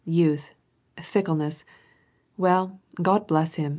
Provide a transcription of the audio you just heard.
^' Youth — fickleness. Well, God bless him